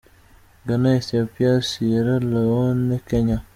Ghana, Ethiopia, Sierra Leone, Kenya